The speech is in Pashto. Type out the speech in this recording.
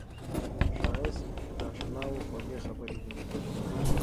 ښایست د اشناوو خوږې خبرې دي